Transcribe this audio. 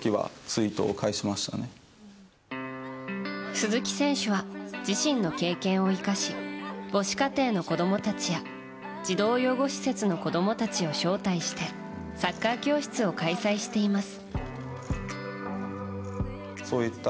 鈴木選手は自身の経験を生かし母子家庭の子供たちや児童養護施設の子供たちを招待してサッカー教室を開催しています。